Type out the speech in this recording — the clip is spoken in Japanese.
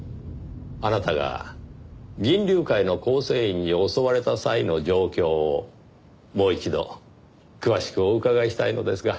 あなたが銀龍会の構成員に襲われた際の状況をもう一度詳しくお伺いしたいのですが。